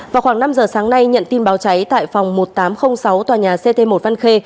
vào khoảng năm giờ sáng nay nhận tin báo cháy tại phòng một nghìn tám trăm linh sáu tòa nhà ct một văn khê